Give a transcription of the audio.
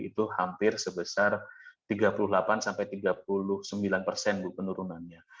itu hampir sebesar tiga puluh delapan sampai tiga puluh sembilan persen bu penurunannya